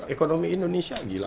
ekonomi indonesia gila